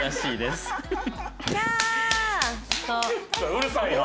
うるさいな！